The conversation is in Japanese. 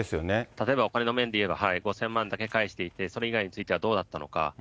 例えばお金の面でいえば、５０００万だけ返していて、それ以外についてはどうだったのか。